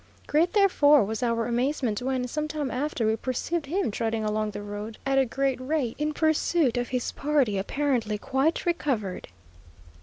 Great, therefore, was our amazement, when, some time after, we perceived him trotting along the road at a great rate, in pursuit of his party, apparently quite recovered.